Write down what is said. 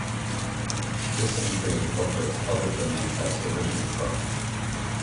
"This entry incorporates public domain text originally from:"